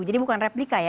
jadi bukan replika ya